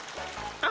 あっ。